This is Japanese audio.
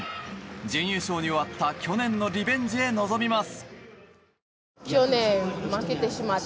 準優勝に終わった去年のリベンジへ臨みます。